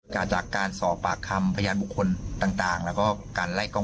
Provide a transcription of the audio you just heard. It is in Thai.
จากการสอบปากคำพยานบุคคลต่างแล้วก็การไล่กล้อง